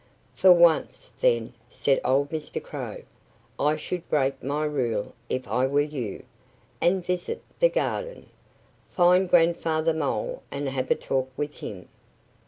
"For once, then," said old Mr. Crow, "I should break my rule if I were you and visit the garden. Find Grandfather Mole and have a talk with him!"